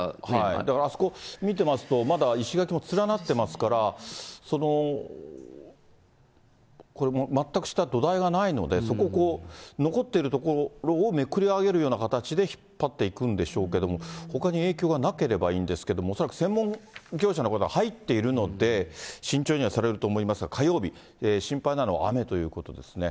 だからあそこ見てますと、まだ石垣も連なってますから、その、これ全く下、土台がないので、そここう、残っているところをめくれ上げるような形で引っ張っていくんでしょうけれども、ほかに影響がなければいいんですけれども、恐らく専門業者の方が入っているので、慎重にはされると思いますが、火曜日、心配なのは雨ということですね。